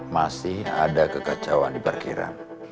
masih ada kekacauan di parkiran